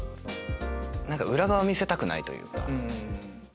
裏側見せたくないというか。